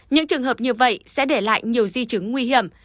những trường hợp như vậy sẽ để lại nhiều di chứng nguy hiểm